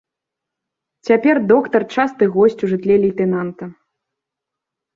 Цяпер доктар часты госць у жытле лейтэнанта.